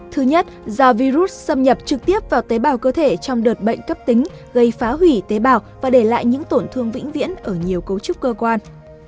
thứ nhất do virus xâm nhập trực tiếp vào tế bào cơ thể trong đợt bệnh cấp tính gây phá hủy tế bào và để lại những tổn thương vĩnh viễn ở nhiều cấu trúc cơ quan